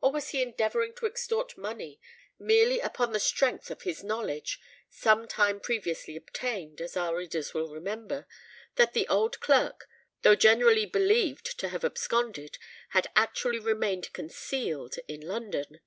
or was he endeavouring to extort money merely upon the strength of his knowledge, some time previously obtained (as our readers will remember), that the old clerk, though generally believed to have absconded, had actually remained concealed in London?